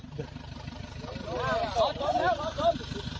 ส่วนแล้วส่วน